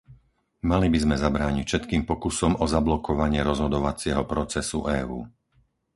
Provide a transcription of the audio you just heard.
Mali by sme zabrániť všetkým pokusom o zablokovanie rozhodovacieho procesu EÚ.